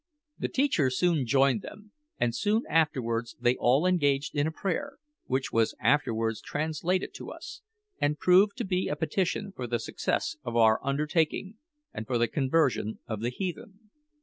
The teacher soon joined them, and soon afterwards they all engaged in a prayer, which was afterwards translated to us, and proved to be a petition for the success of our undertaking and for the conversion of the heathen.